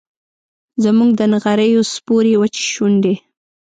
زموږ د نغریو سپورې وچې شونډي